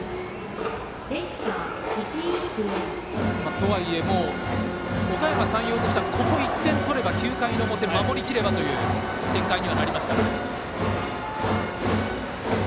とはいえおかやま山陽としてはここ１点取れば９回の表、守りきればという展開にはなりました。